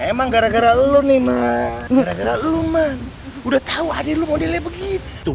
emang gara gara lu nih emang gara gara lu man udah tau adek lu modelnya begitu